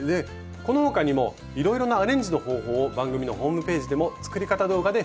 この他にもいろいろなアレンジの方法を番組のホームページでも作り方動画で紹介されています。